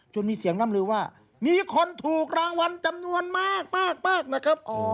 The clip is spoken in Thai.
มีเสียงร่ำลือว่ามีคนถูกรางวัลจำนวนมากนะครับ